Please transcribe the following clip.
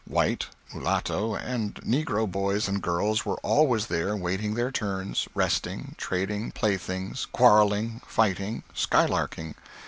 White, mulatto, and negro boys and girls were always there waiting their turns, resting, trading playthings, quarrelling, fighting, skylarking.